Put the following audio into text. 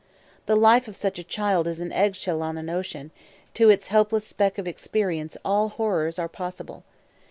The life of such a child is an egg shell on an ocean; to its helpless speck of experience all horrors are possible.